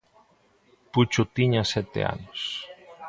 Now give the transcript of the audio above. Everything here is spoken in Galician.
Pucho tiña sete anos.